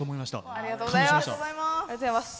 ありがとうございます。